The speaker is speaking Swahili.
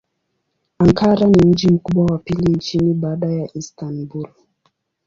Ankara ni mji mkubwa wa pili nchini baada ya Istanbul.